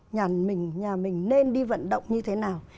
nhà mình nên đi vận động như thế nào